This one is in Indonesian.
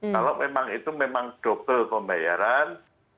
kalau memang itu memang double pembayaran